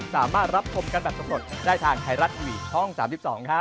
สวัสดีครับ